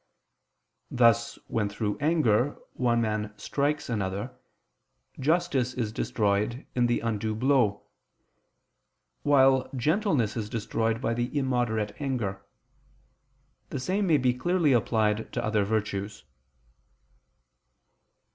Thus when through anger, one man strikes another, justice is destroyed in the undue blow; while gentleness is destroyed by the immoderate anger. The same may be clearly applied to other virtues.